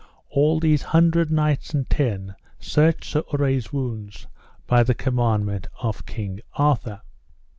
All these hundred knights and ten searched Sir Urre's wounds by the commandment of King Arthur.